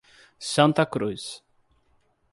Santa Cruz